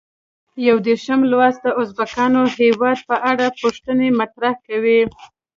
یو دېرشم لوست د ازبکستان هېواد په اړه پوښتنې مطرح کوي.